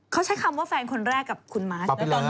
เค้าใช้คำว่าแฟนคนแรกกับคุณม้าใช่ไหมครับ